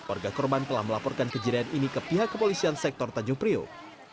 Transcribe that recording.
orga kurman telah melaporkan kejadian ini ke pihak kepolisian sektor tanjung priok